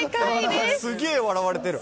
すげえ笑われてる。